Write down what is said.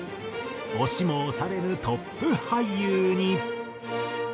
押しも押されぬトップ俳優に。